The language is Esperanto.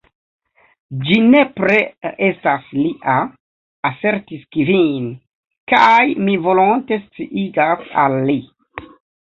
"Ĝi nepre estas lia," asertis Kvin, "kaj mi volonte sciigas al li.